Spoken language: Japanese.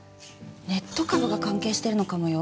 ネット株が関係してるのかもよ？